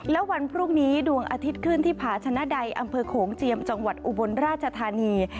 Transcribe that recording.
และวันพรุ่งนี้ดวงอาทิตย์ขึ้นที่ผาชนะใดอำเภอโขงเจียมจังหวัดอุบลราชธานี